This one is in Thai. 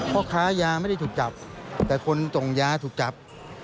พ่อค้ายาไม่ได้ถูกจับแต่คนส่งยาถูกจับ